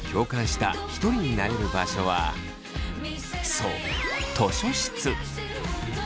そう図書室。